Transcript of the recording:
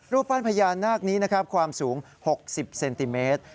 ปั้นพญานาคนี้นะครับความสูง๖๐เซนติเมตร